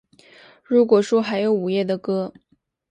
如果说还有午夜的歌